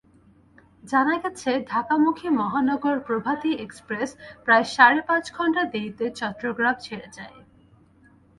জানা গেছে, ঢাকামুখী মহানগর প্রভাতী এক্সপ্রেস প্রায় পাঁচ ঘণ্টা দেরিতে চট্টগ্রাম ছেড়ে যায়।